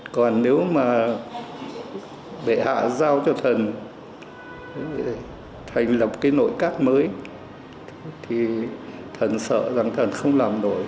còn nếu mà bệ hạ giao cho thần thành lập cái nội các mới thì thần sợ rằng thần không làm nổi